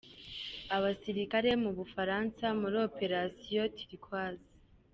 Abasirikare b’u Bufaransa muri Operation Turquoise